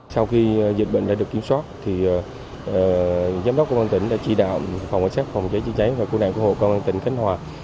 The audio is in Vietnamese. sau khi dịch bệnh đã được kiểm soát giám đốc công an tỉnh đã chỉ đạo phòng cảnh sát phòng cháy chữa cháy và cứu nạn cứu hộ công an tỉnh khánh hòa